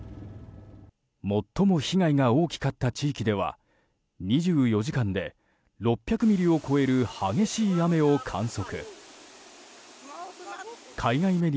最も被害が大きかった地域では２４時間で６００ミリを超える激しい雨を観測。